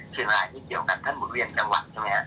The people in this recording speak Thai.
ชื่องรายมือเกี่ยวกับพ่อท่านบุหรีเลี่ยนท่างหวัด